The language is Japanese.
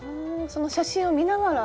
その写真を見ながら。